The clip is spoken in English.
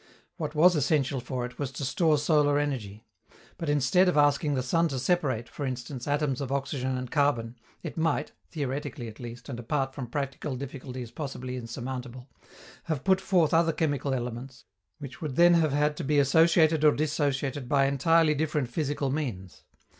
What was essential for it was to store solar energy; but, instead of asking the sun to separate, for instance, atoms of oxygen and carbon, it might (theoretically at least, and, apart from practical difficulties possibly insurmountable) have put forth other chemical elements, which would then have had to be associated or dissociated by entirely different physical means.